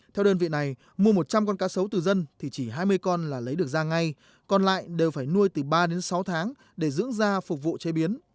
theo đơn vị này mua một trăm linh con cá sấu từ dân thì chỉ hai mươi con là lấy được ra ngay còn lại đều phải nuôi từ ba đến sáu tháng để dưỡng da phục vụ chế biến